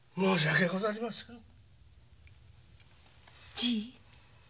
じい。